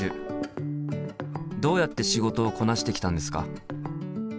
どうやって仕事をこなしてきたんですか？